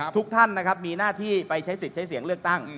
ทุกท่านนะครับมีหน้าที่ไปใช้สิทธิ์ใช้เสียงเลือกตั้ง